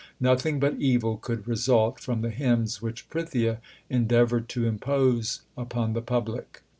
Nothing but evil could result from the hymns which Prithia endea voured to impose upon the public.